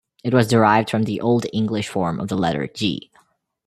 It was derived from the Old English form of the letter "g".